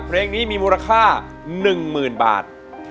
เพลงนี้มีมูลค่า๑๐๐๐บาท